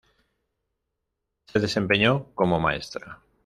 Se desempeñó como maestra.